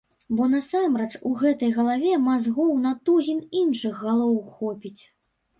Бо насамрэч у гэтай галаве мазгоў на тузін іншых галоў хопіць.